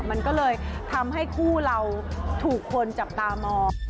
มันก็เลยทำให้คู่เราถูกคนจับตามอง